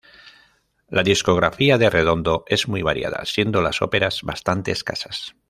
La discografía de Redondo es muy variada, siendo las óperas bastantes escasas.